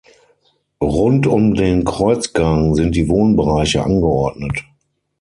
Rund um den Kreuzgang sind die Wohnbereiche angeordnet.